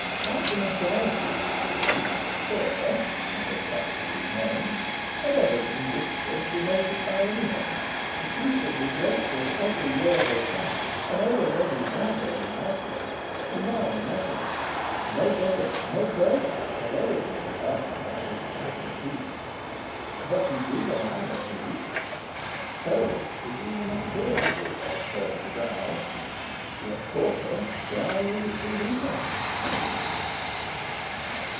Like the majority of his breed, Corker (for such was his name) had ever been wistful to be noticed by any one effusively grateful for every word or pat, an ever ready wagger and nuzzler, to none ineffable. No beggar, no burglar, had ever been rebuffed by this catholic beast. But he drew the line at Zuleika. Seldom is even a fierce bulldog heard to growl. Yet Corker growled at Zuleika.